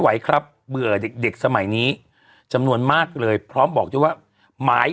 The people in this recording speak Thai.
ไหวครับเบื่อเด็กสมัยนี้จำนวนมากเลยพร้อมบอกว่าไม้